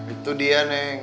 itu dia neng